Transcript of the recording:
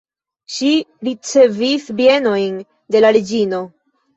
Ŝi ricevis bienojn de la reĝino.